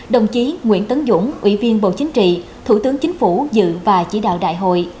đồng chí nguyễn tấn dũng ủy viên bộ chính trị thủ tướng chính phủ dự và chỉ đạo đại hội